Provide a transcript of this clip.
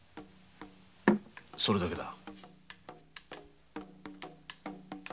それだけだ。